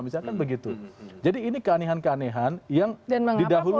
misalkan begitu jadi ini keanehan keanehan yang didahului